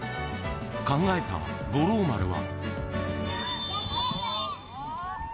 考えた五郎丸は。